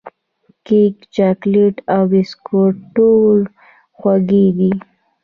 کیک، چاکلېټ او بسکوټ ټول خوږې دي.